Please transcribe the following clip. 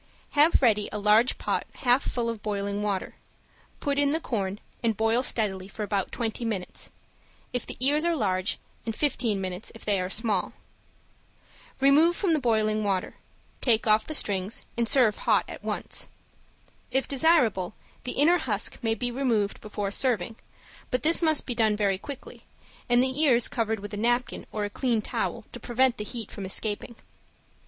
Have ready a large pot half full of boiling water, put in the corn and boil steadily for about twenty minutes, if the ears are large, and fifteen minutes if they are small. Remove from the boiling water, take off the strings, and serve hot at once. If desirable, the inner husk may be removed before serving, but this must be done very quickly, and the ears covered with a napkin or a clean towel to prevent the heat from escaping.